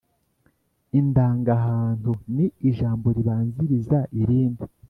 Indangahantu ni ijambo ribanziriza irindi